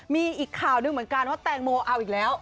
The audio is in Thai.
มีอีกข่าวหนึ่งเหมือนกันว่าแตงโมเอาอีกแล้ว